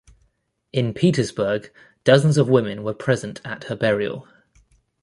In Pietersburg, dozens of women were present at her burial.